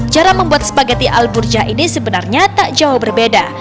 cara membuat spageti al burja ini sebenarnya tak jauh berbeda